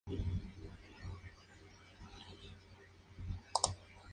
Nuevamente apareció como suplente en el partido contra Italia.